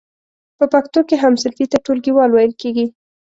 په پښتو کې هم صنفي ته ټولګیوال ویل کیږی.